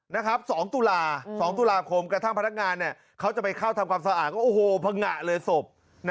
๒ตุลา๒ตุลาคมกระทั่งพนักงานเขาจะไปเข้าทำความสะอาดก็โอ้โหพังงะเลยศพ